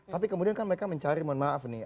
tapi kemudian kan mereka mencari mohon maaf nih